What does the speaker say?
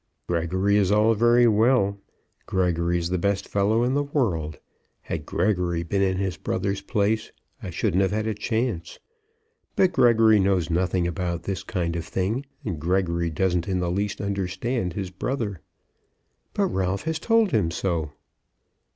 "Gregory is all very well. Gregory is the best fellow in the world. Had Gregory been in his brother's place I shouldn't have had a chance. But Gregory knows nothing about this kind of thing, and Gregory doesn't in the least understand his brother." "But Ralph has told him so."